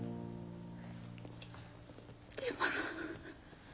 でも。